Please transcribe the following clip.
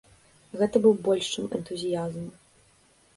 Гэта быў больш чым энтузіязм.